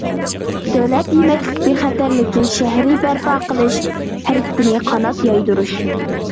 دۆلەت يېمەكلىك بىخەتەرلىكى شەھىرى بەرپا قىلىش ھەرىكىتىنى قانات يايدۇرۇش.